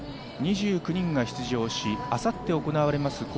２９人が出場し、明後日行われます